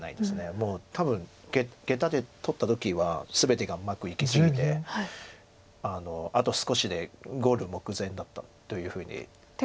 もう多分ゲタで取った時は全てがうまくいき過ぎてあと少しでゴール目前だったというふうに。